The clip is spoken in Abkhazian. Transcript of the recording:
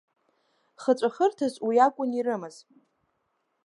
Хыҵәахырҭас уиакәын ирымаз.